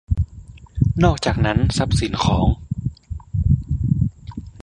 นอกจากนั้นทรัพย์สินของ